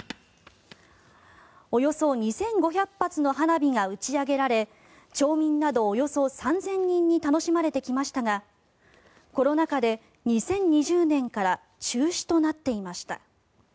およそ２５００発の花火が打ち上げられ町民などおよそ３０００人に楽しまれてきましたがコロナ禍で２０２０年から中止となっていました。